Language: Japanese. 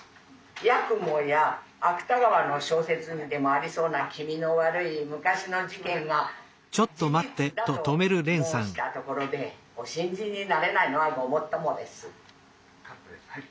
八雲や芥川の小説にでもありそうな気味の悪い昔の事件が事実だと申したところでお信じになれないのはごもっともです」。